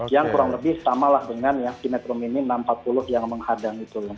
yang kurang lebih sama lah dengan yang si metro mini enam ratus empat puluh yang menghadang itu